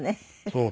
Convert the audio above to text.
そう。